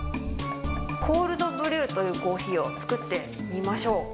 コールドブリューというコーヒーを作ってみましょう。